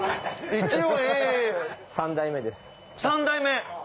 ３代目！